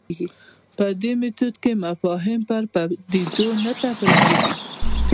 په دې میتود کې مفاهیم پر پدیدو نه تپل کېږي.